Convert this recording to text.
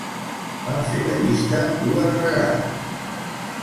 Van fer la llista dos vegades.